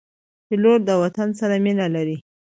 پیلوټ د وطن سره مینه لري.